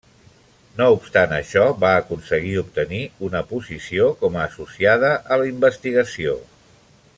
No obstant això, va aconseguir obtenir una posició com a associada a la investigació.